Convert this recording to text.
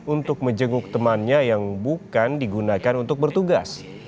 untuk menjenguk temannya yang bukan digunakan untuk bertugas